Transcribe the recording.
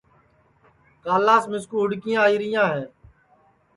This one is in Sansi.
کالاس مِسکُو ہُوڈؔکیاں آئیریاں ہے